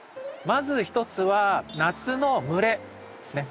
まず一つは夏の蒸れですね。